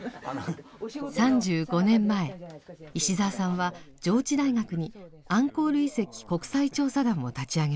３５年前石澤さんは上智大学にアンコール遺跡国際調査団を立ち上げました。